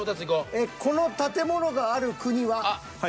この建物がある国は？